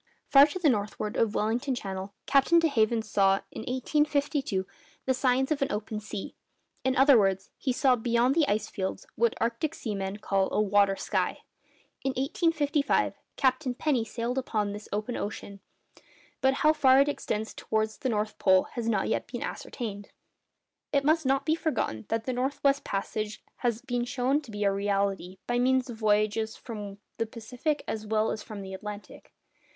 Far to the northward of Wellington Channel, Captain de Haven saw, in 1852, the signs of an open sea—in other words, he saw, beyond the ice fields, what arctic seamen call a 'water sky.' In 1855 Captain Penny sailed upon this open sea; but how far it extends towards the North Pole has not yet been ascertained. It must not be forgotten that the north west passage has been shown to be a reality, by means of voyages from the Pacific as well as from the Atlantic.